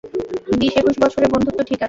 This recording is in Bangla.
বিশ একুশ বছরে বন্ধুত্ব ঠিক আছে।